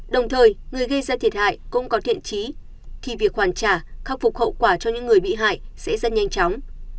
đồng thời người gây ra thiệt hại cũng có thiện trí thì việc hoàn trả khắc phục hậu quả cho những người bị hại sẽ rất nhanh chóng